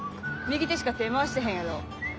右手しか手ぇ回してへんやろ。